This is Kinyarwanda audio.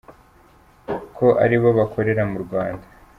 ko ari bo bakorera mu Rwanda.